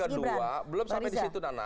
kedua belum sampai di situ nana